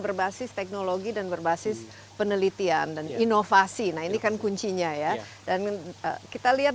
berbasis teknologi dan berbasis penelitian dan inovasi nah ini kan kuncinya ya dan kita lihat